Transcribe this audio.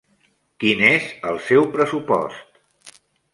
Quin és el seu pressupost?